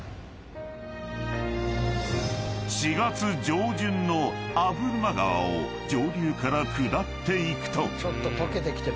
［４月上旬の破間川を上流から下っていくと］